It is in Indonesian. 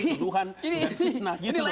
keluhan dan fitnah gitu loh